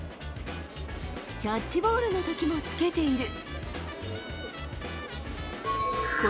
キャッチボールのときもつけている。